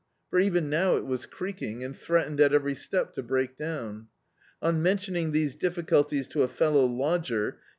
For even now it was creaking, and threatened at every step to break down. On mentioning these difficulties to a fellow lodger, he.